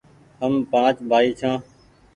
هم پآنچ بآئي ڇآن